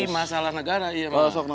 masalah negara iya